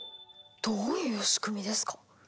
どういう仕組みですか？